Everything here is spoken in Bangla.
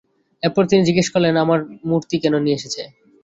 এরপর তিনি জিজ্ঞেস করলেন, আমার মূর্তি কেন নিয়ে এসেছ?